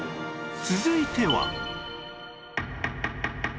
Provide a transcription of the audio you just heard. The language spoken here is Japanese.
続いては